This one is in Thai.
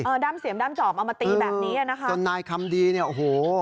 ด้ามเสียมด้ามจอบเอามาตีแบบนี้อ่ะนะคะจนนายคำดีเนี่ยโอ้โห